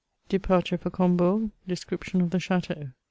DEPABTURE FOR COMBOURG — DESCRIFTION OF THE CHATEAU.